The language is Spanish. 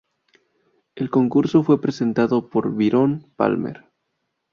El concurso fue presentado por Byron Palmer.